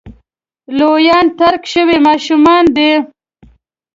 لویان ترک شوي ماشومان دي.